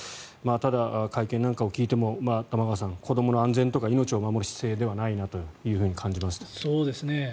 ただ、会見なんかを聞いても玉川さん子どもの安全とか命を守る姿勢ではないと感じました。